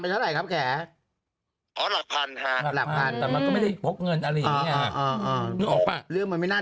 จริงแล้วเข้าใจว่าเห็นทางพี่เกาม่าไปหน่อย